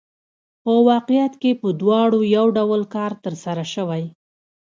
په واقعیت کې په دواړو یو ډول کار ترسره شوی